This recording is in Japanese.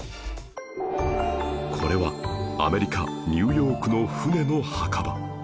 これはアメリカニューヨークの船の墓場